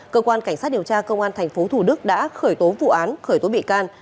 cơ quan cảnh sát điều tra công an tp hcm đã khởi tố vụ án khởi tố bị can